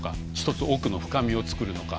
１つ、奥の深みを作るのか。